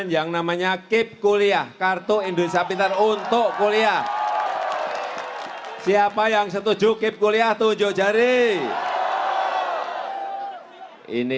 yang terakhir yang terakhir lagi